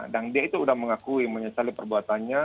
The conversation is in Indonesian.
dan dia itu udah mengakui menyesali perbuatannya